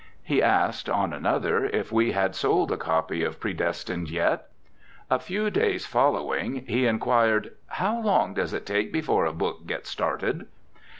He asked, on another, if we had sold a copy of "Predestined" yet. A few days following he inquired, "How long does it take before a book gets started?"